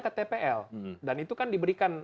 ke tpl dan itu kan diberikan